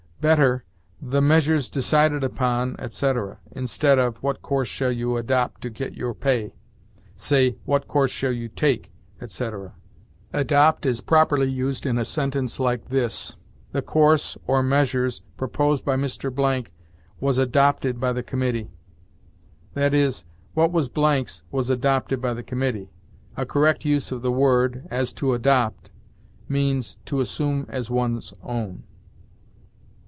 Better, "The measures decided upon," etc. Instead of, "What course shall you adopt to get your pay?" say, "What course shall you take," etc. Adopt is properly used in a sentence like this: "The course (or measures) proposed by Mr. Blank was adopted by the committee." That is, what was Blank's was adopted by the committee a correct use of the word, as to adopt, means, to assume as one's own.